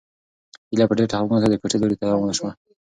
هیله په ډېر خپګان سره د کوټې لوري ته روانه شوه.